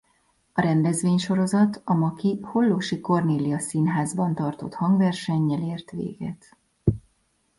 A rendezvénysorozat a maki Hollósy Kornélia Színházban tartott hangversennyel ért véget.